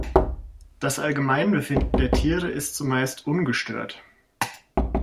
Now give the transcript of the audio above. Das Allgemeinbefinden der Tiere ist zumeist ungestört.